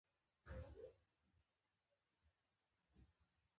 کوچني توپیرونه به د وخت په تېرېدو سره لوی نه شي.